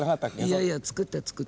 いやいや作った作った。